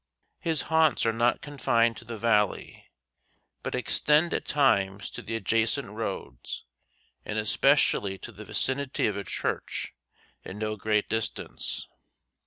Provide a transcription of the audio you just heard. His haunts are not confined to the valley, but extend at times to the adjacent roads, and especially to the vicinity of a church at no great distance.